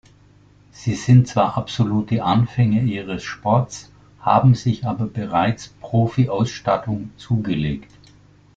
Sie sind zwar absolute Anfänger ihres Sports, haben sich aber bereits Profi-Ausstattung zugelegt.